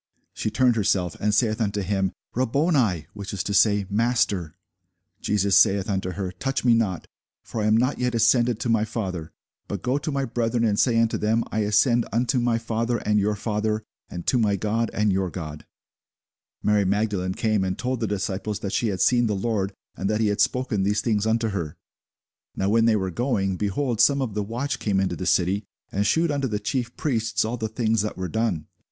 She turned herself, and saith unto him, Rabboni; which is to say, Master. Jesus saith unto her, Touch me not; for I am not yet ascended to my Father: but go to my brethren, and say unto them, I ascend unto my Father, and your Father; and to my God, and your God. Mary Magdalene came and told the disciples that she had seen the Lord, and that he had spoken these things unto her. Now when they were going, behold, some of the watch came into the city, and shewed unto the chief priests all the things that were done.